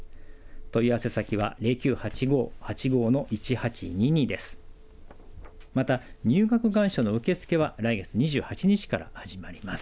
問い合わせ先は０９８５‐８５‐１８２２です。